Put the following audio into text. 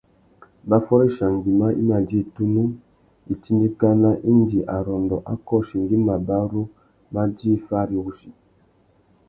Mbaffôréchia nguimá i mà djï tunu itindikana indi arrôndô a kôchi ngüi mabarú mà djï fari wussi.